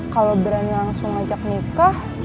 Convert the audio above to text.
kalau berani langsung ajak nikah